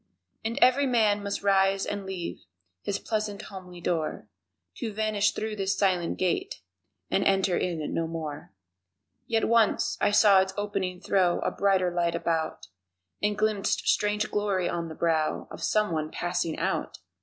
And every man must rise and leave His pleasant homely door To vanish through this silent gate And enter in no more Yet once I saw its opening throw A brighter light about And glimpsed strange glory on the brow Of someone passing out!